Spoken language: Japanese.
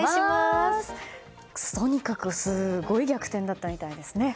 とにかくすごい逆転だったみたいですね。